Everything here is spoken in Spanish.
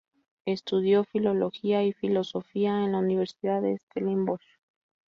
Estudió filología y filosofía en la Universidad de Stellenbosch.